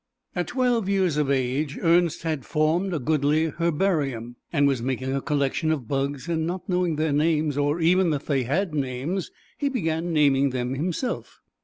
At twelve years of age Ernst had formed a goodly herbarium, and was making a collection of bugs, and not knowing their names or even that they had names, he began naming them himself.